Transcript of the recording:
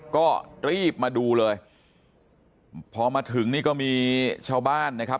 ก็รีบมาดูเลยพอมาถึงนี่ก็มีชาวบ้านนะครับ